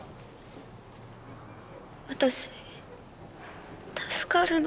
☎私助かるの？